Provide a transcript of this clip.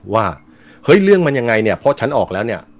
ว่าเฮ้ยเรื่องมันยังไงเนี่ยเพราะฉันออกแล้วเนี่ย